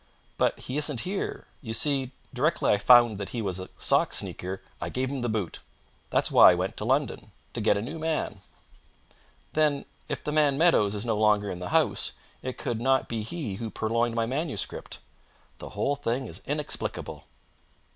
"But he isn't here. You see, directly I found that he was a sock sneaker I gave him the boot. That's why I went to London to get a new man." "Then, if the man Meadowes is no longer in the house it could not be he who purloined my manuscript. The whole thing is inexplicable."